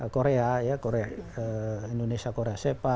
korea indonesia korea